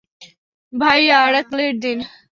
ভাইয়া, আরেক প্লেট দিন।